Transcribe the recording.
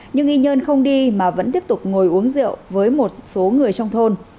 nhưng y nhơn không đi mà vẫn tiếp tục ngồi uống rượu với một số người trong thôn